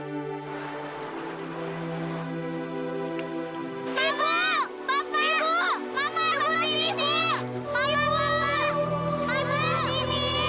dewi dewi dengarkan dulu penjelasan ibu wim